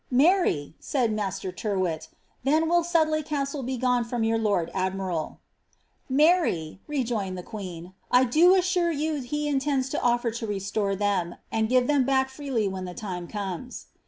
Marry," said Master Tyrwhitt, then will Sudley Castle be gone from my lord adminl.'^ '^ Marry," rejoined the queen, ^» I do assure you he intends lo ofler to restore them, and give them freely back when that time comes."